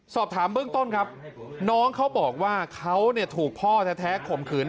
สอบถามเบื้องต้นครับน้องเขาบอกว่าเขาถูกพ่อแท้ข่มขืน